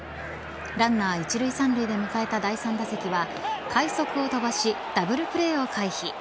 ランナー１塁、３塁で迎えた第３打席は快足を飛ばしダブルプレーを回避。